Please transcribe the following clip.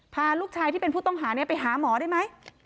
พาลูกชายที่เป็นผู้ต้องหาไปหาหมอได้ไหม